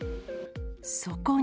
そこに。